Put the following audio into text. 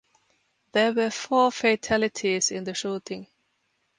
There were four fatalities in the shooting.